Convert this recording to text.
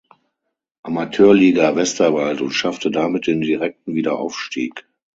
Amateurliga Westerwald und schaffte damit den direkten Wiederaufstieg.